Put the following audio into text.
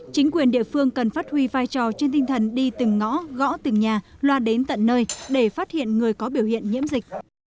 chính quyền địa phương cần phát huy vai trò trên tinh thần đi từng ngõ gõ từng nhà loa đến tận nơi để phát hiện người có biểu hiện nhiễm dịch